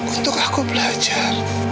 untuk aku belajar